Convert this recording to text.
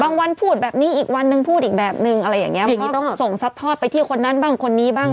บางวันพูดแบบนี้อีกวันหนึ่งพูดอีกแบบนึงอะไรอย่างเงี้ยเพราะว่าส่งทรัพย์ไปที่คนนั้นบ้างคนนี้บ้าง